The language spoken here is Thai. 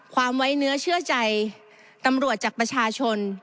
ไว้เนื้อเชื่อใจตำรวจจากประชาชน